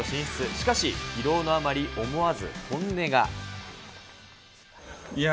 しかし、疲労のあまり思わず本音いや